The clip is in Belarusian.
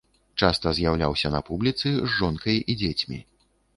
Часта з'яўляўся на публіцы з жонкай і дзецьмі.